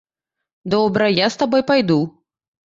Добра, я з табой пайду.